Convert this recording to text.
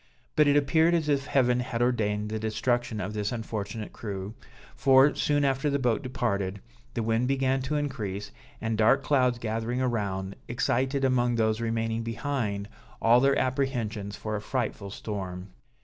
But it appeared as if Heaven had ordained the destruction of this unfortunate crew, for, soon after the boat departed, the wind began to increase, and dark clouds gathering around, excited among those remaining behind all their apprehensions for a frightful storm.